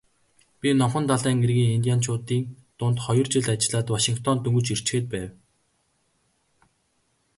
Би Номхон далайн эргийн индианчуудын дунд хоёр жил ажиллаад Вашингтонд дөнгөж ирчхээд байв.